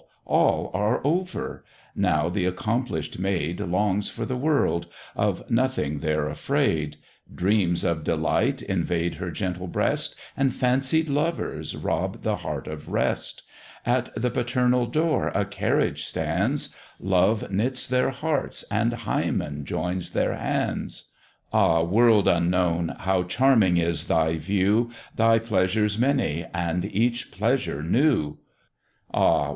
all! are over; now th' accomplish'd maid Longs for the world, of nothing there afraid: Dreams of delight invade her gentle breast, And fancied lovers rob the heart of rest; At the paternal door a carriage stands, Love knits their hearts and Hymen joins their hands. Ah! world unknown! how charming is thy view, Thy pleasures many, and each pleasure new: Ah!